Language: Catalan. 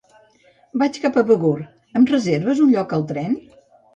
Vaig cap a Begur; em reserves un lloc al tren?